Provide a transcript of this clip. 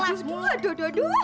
kelas dulu aduh aduh